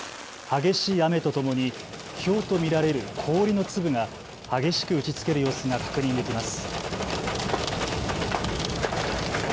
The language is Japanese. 激しい雨とともに、ひょうと見られる氷の粒が激しく打ちつける様子が確認できます。